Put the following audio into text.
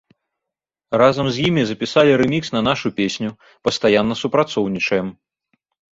Разам з імі запісалі рэмікс на нашу песню, пастаянна супрацоўнічаем.